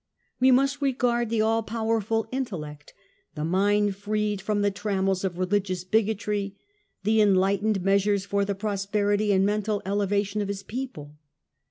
We must regard the all powerful intellect, the mind freed from the trammels of religious bigotry, the enlightened measures for the prosperity and mental elevation of his people.